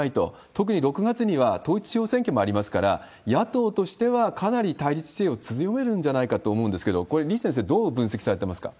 特に６月には統一地方選挙もありますから、野党としてはかなり対立姿勢を強めるんじゃないかと思うんですけど、これ、李先生、どう分析されてますか？